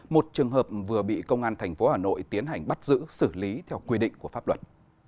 một trường hợp vừa bị công an tp hà nội tiến hành bắt giữ xử lý theo quy định của pháp luật